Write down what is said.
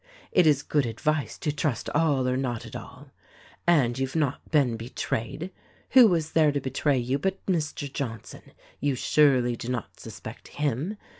It is good advice to 'Trust all or not at all.' And you've not been betrayed. Who was there to betray you but Mr. Johnson — You surely do not suspect him